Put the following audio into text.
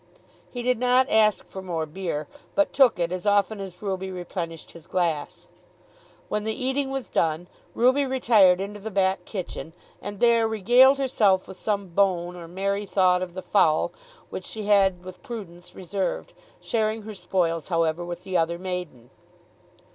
He did not ask for more beer, but took it as often as Ruby replenished his glass. When the eating was done, Ruby retired into the back kitchen, and there regaled herself with some bone or merry thought of the fowl, which she had with prudence reserved, sharing her spoils however with the other maiden.